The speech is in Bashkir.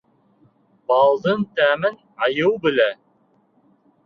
Балдың тәмен айыу белә.